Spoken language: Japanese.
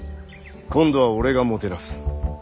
今度は俺がもてなす。